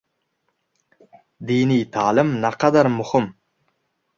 Diniy ta’lim naqadar muhim!